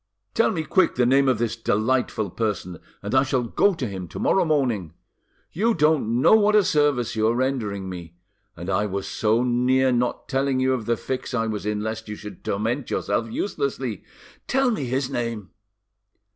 "Tell me quick the name of this delightful person, and I shall go to him to morrow morning. You don't know what a service you are rendering me. And I was so near not telling you of the fix I was in, lest you should torment yourself uselessly. Tell me his name."